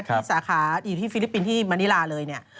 สาขาอยู่ที่ฟิลิปปินส์ที่มณิลาเลยเนี่ย